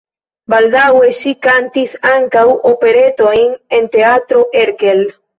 Baldaŭe ŝi kantis ankaŭ operetojn en Teatro Erkel.